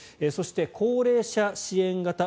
そして高齢者支援型